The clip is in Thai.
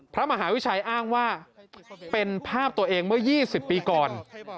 พระมหาวิชัยอ้างว่าเป็นภาพตัวเองเมื่อ๒๐ปีก่อน